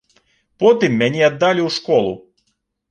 Потым мяне аддалі ў школу.